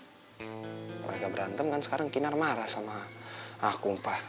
tapi mereka berantem kan sekarang kinar marah sama aku pak